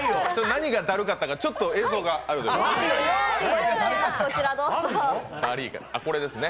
何がだるかったかちょっと映像があります。